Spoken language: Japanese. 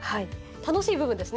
楽しい部分ですね